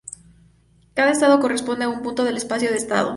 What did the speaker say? Cada estado corresponde a un punto del espacio de estado.